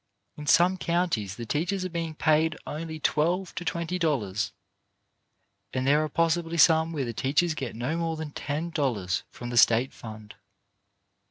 In some counties the teachers are being paid only twelve to twenty dollars, and there are possibly some where the teachers get not more than ten dollars from the state fund.